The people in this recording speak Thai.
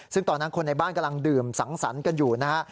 ซึ่งตอนนั้นคนในบ้านกำลังดื่มสังสรรค์กันอยู่นะฮะ